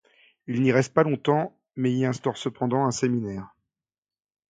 Il n’y reste pas longtemps mais y instaure cependant un séminaire.